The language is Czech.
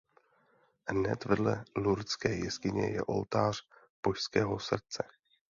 Hned vedle lurdské jeskyně je oltář Božského srdce.